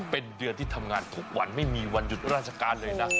เป็นเดือนที่ทำงานทุกวันไม่มีวันหยุดราชการเลยนะ